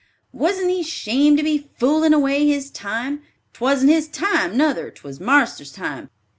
"Warn't he 'shamed to be foolin' away his time? 'Twan't his time nuther, 'twas marster's time.